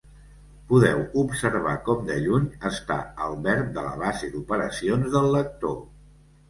Podeu observar com de lluny està el verb de la base d'operacions del lector.